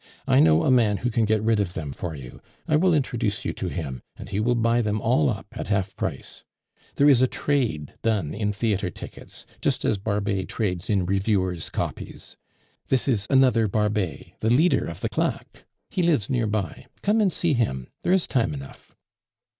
I know a man who can get rid of them for you; I will introduce you to him, and he will buy them all up at half price. There is a trade done in theatre tickets, just as Barbet trades in reviewers' copies. This is another Barbet, the leader of the claque. He lives near by; come and see him, there is time enough."